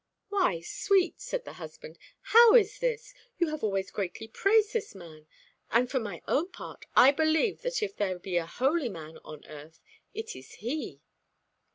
"Why, sweet," said the husband, "how is this? You have always greatly praised this man, and for my own part I believe that if there be a holy man on earth, it is he."